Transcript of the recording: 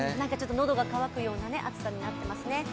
のどが渇くような暑さになっていますね。